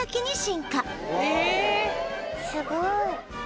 すごい！